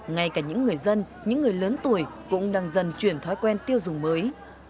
ngay cả những người dân những người lớn tuổi cũng đang dần chuyển thói quen tiêu dùng mới